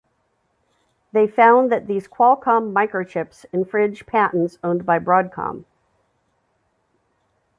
They found that these Qualcomm microchips infringe patents owned by Broadcom.